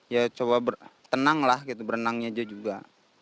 ya coba tenanglah gitu berenangnya aja juga